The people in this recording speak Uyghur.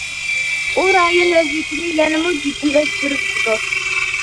ئۇ رايون ۋەزىيىتىنى يەنىمۇ جىددىيلەشتۈرۈۋېتىدۇ.